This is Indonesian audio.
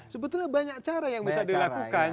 sebetulnya banyak cara yang bisa dilakukan